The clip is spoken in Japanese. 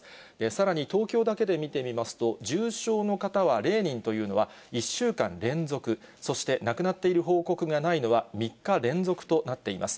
さらに東京だけで見てみますと、重症の方は０人というのは、１週間連続、そして亡くなっている報告がないのは、３日連続となっています。